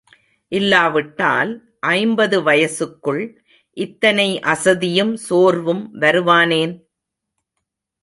இல்லாவிட்டால் ஐம்பது வயசுக்குள், இத்தனை அசதியும் சோர்வும் வருவானேன்?